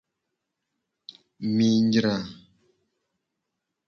Mi nyra.